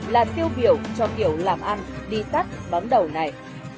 là tiêu biểu cho kiểu làm ăn đi tắt đón đầu này